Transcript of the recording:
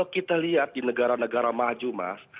kita lihat di negara negara maju mas